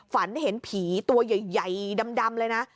ฝันเห็นผีตัวใหญ่ดำเลยนะ